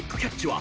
は